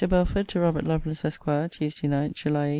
BELFORD, TO ROBERT LOVELACE, ESQ. TUESDAY NIGHT, JULY 18.